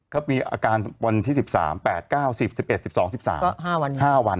ก็มีอาการวันที่๑๓๘๙๐๑๑๑๒๑๓๕วัน